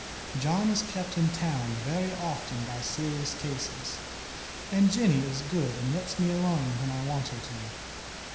John is kept in town very often by serious cases, and Jennie is good and lets me alone when I want her to.